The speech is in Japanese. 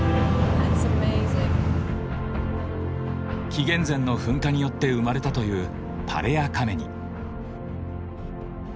紀元前の噴火によって生まれたというパレア・カメニ。